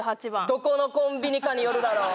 どこのコンビニかによるだろう